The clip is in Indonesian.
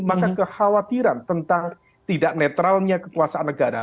maka kekhawatiran tentang tidak netralnya kekuasaan negara